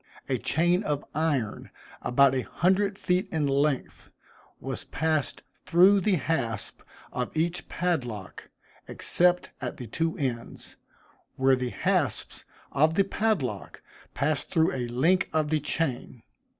A chain of iron, about a hundred feet in length, was passed through the hasp of each padlock, except at the two ends, where the hasps of the padlock passed through a link of the chain.